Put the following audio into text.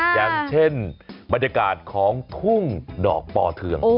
อย่างเช่นบรรยากาศของทุ่งดอกปอเทือง